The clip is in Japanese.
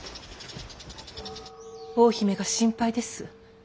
大姫が心配です。